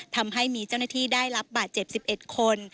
ทำให้มีเจ้าหน้าที่ได้รับบาดเจ็บ๑๑คน